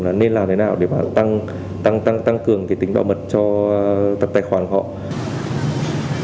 là nên làm thế nào để mà tăng cường cái tính đạo mật cho tài khoản của họ